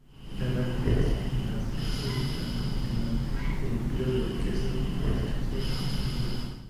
Las lácteas Lancashire han promocionado el empleo del queso Lancashire en su lugar.